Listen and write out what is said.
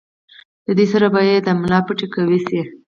د دې سره به ئې د ملا پټې قوي شي